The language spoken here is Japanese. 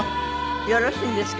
よろしいんですか？